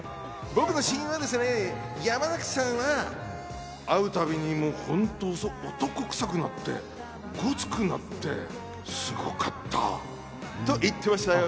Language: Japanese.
僕の親友は山崎さんと会うたびに本当に男臭くなって、ゴツくなって、すごかったと言ってましたよ。